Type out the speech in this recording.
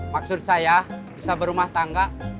maksud saya bisa berumah tangga